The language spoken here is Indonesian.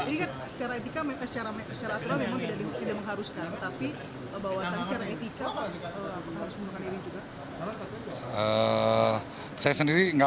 ini kan secara etika secara aturan memang tidak mengharuskan tapi bahwasannya secara etika apa yang harus mengundurkan diri juga